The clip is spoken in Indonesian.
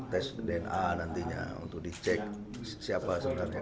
tes dna nantinya untuk dicek siapa sebenarnya